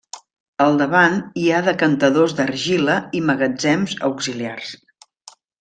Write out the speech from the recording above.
Al davant hi ha decantadors d'argila i magatzems auxiliars.